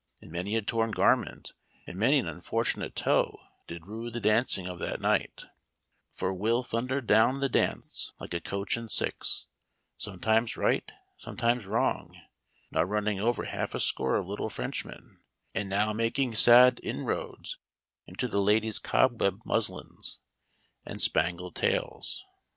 and many a torn garment and many an unfor tunate toe did rue the dancing of that night, for Will thundered down the dance like a coach and six, sometimes right, sometimes wrong ; now running over half a score of little French men, and now making sad inroads into the ladies' cobweb muslins and spangled tails.